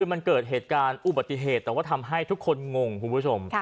คือมันเกิดเหตุการณ์อุบัติเหตุแต่ว่าทำให้ทุกคนงงคุณผู้ชม